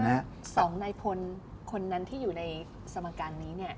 สมมติว่า๒นายพลคนนั้นที่อยู่ในสมการนี้